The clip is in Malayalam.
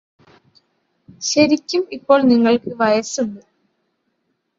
ശരിക്കും ഇപ്പോൾ നിങ്ങള്ക്ക് വയസ്സുണ്ട്